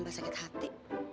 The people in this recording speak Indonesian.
ntar tambah sakit hati